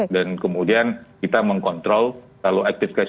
dan kemudian kita mengkontrol kalau active case finding ketemu dengan kasus